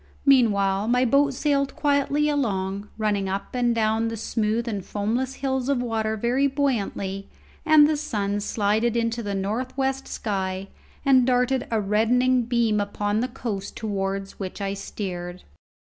Meanwhile my boat sailed quietly along, running up and down the smooth and foamless hills of water very buoyantly, and the sun slided into the north west sky and darted a reddening beam upon the coast towards which I steered.